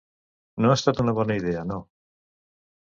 No ha estat una bona idea, no.